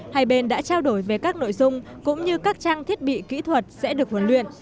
hai bên đã trao đổi về các nội dung cũng như các trang thiết bị kỹ thuật sẽ được huấn luyện